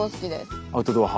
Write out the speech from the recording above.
アウトドア派？